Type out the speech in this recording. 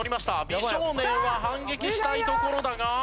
美少年は反撃したいところだが。